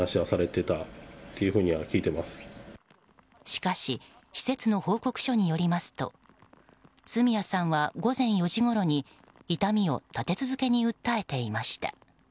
しかし施設の報告書によりますと角谷さんは午前４時ごろに痛みを立て続けに訴えていました。